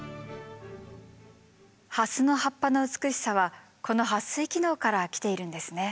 ハスの葉っぱの美しさはこの撥水機能から来ているんですね。